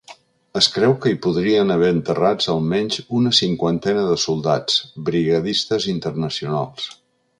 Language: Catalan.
Es creu que hi podrien haver enterrats almenys una cinquantena de soldats, brigadistes internacionals.